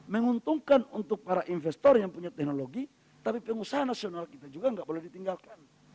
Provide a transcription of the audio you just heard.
menguntungkan untuk para investor yang punya teknologi tapi pengusaha nasional kita juga nggak boleh ditinggalkan